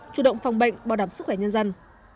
chủ động phòng bệnh bảo đảm sức khỏe nhân dân